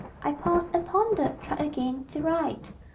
_ I paused and pondered, tried again. _To write....